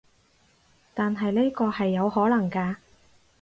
但係呢個係有可能㗎